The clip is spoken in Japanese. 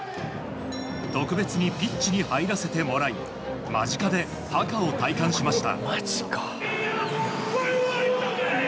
特別にピッチに入らせてもらい間近でハカを体感しました。